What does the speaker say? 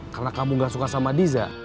karena kamu gak suka sama diza